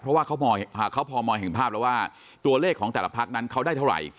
เพราะว่าเขาพอมองเห็นภาพแล้วว่าตัวเลขของแต่ละพักนั้นเขาได้เท่าไหร่